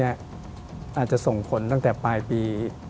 อาจจะส่งผลตั้งแต่ปลายปี